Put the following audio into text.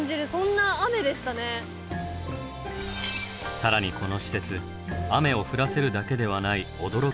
更にこの施設雨を降らせるだけではない驚きの機能が。